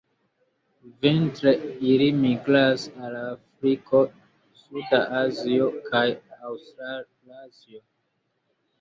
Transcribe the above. Vintre ili migras al Afriko, suda Azio kaj Aŭstralazio.